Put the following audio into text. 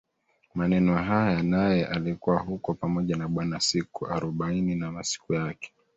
maneno haya naye alikuwa huko pamoja na Bwana siku arobaini na masiku yake